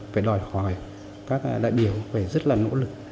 phải đòi hỏi các đại biểu phải rất là nỗ lực